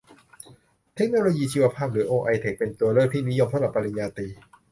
เทคโนโลยีชีวภาพ หรือ ไอโอเทค เป็นตัวเลือกที่นิยมสำหรับปริญญาตรี